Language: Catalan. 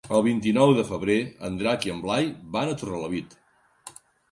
El vint-i-nou de febrer en Drac i en Blai van a Torrelavit.